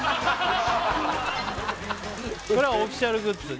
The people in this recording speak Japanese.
これはオフィシャルグッズ